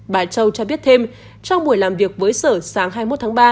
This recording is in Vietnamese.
bà châu cho biết thêm trong buổi làm việc với sở sáng hai mươi một tháng ba